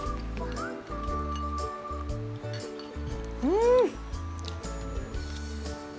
うん！